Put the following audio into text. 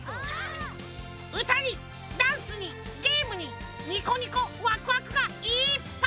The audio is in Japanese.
うたにダンスにゲームにニコニコワクワクがいっぱい！